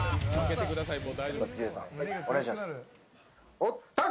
おったけ！